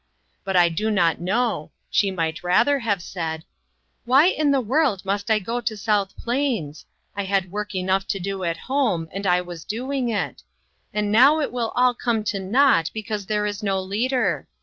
But I do not know, she might rather have said :" Why in the world must I go to South Plains ? I had work enough to do at home, and I was doing it ; and now it will all come to nought because there is no leader!